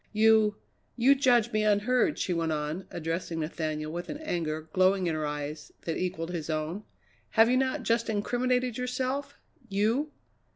"You you judge me unheard!" she went on, addressing Nathaniel with an anger, glowing in her eyes, that equalled his own. "Have you not just incriminated yourself you!"